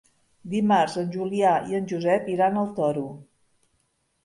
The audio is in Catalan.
Dimarts en Julià i en Josep iran al Toro.